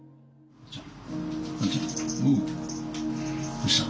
どうしたの？